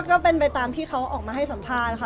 ก็เป็นไปตามที่เขาออกมาให้สัมภาษณ์ค่ะ